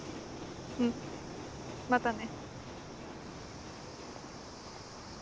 うんまたね。